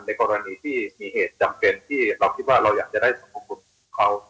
กรณีที่มีเหตุจำเป็นที่เราคิดว่าเราอยากจะได้สรรพคุณเขา